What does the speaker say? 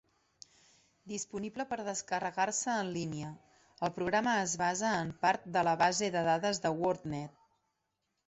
Disponible per descarregar-se en línia, el programa es basa en part de la base de dades de WordNet.